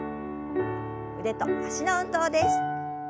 腕と脚の運動です。